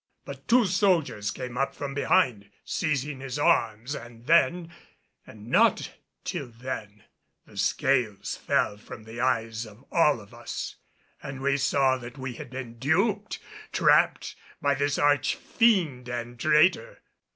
But two soldiers came up from behind, seizing his arms and then and not till then the scales fell from the eyes of all of us and we saw that we had been duped, trapped, by this arch fiend and traitor.